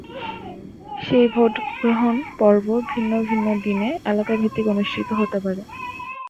সেই ভোট গ্রহণ পর্ব ভিন্ন ভিন্ন দিনে এলাকাভিত্তিক অনুষ্ঠিত হতে পারে।